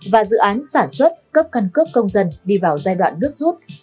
và dự án sản xuất cấp căn cước công dân đi vào giai đoạn nước rút